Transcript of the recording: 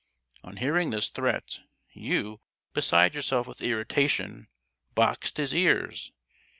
On hearing this threat, you, beside yourself with irritation, boxed his ears.